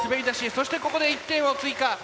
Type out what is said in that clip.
そしてここで１点を追加。